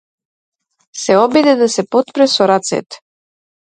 Се обиде да се потпре со рацете.